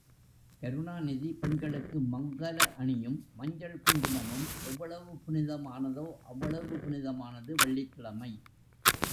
கருணாநிதி— பெண்களுக்கு மங்கல அணியும், மஞ்சள் குங்குமமும் எவ்வளவு புனிதமானதோ அவ்வளவு புனிதமானது வெள்ளிக்கிழமை!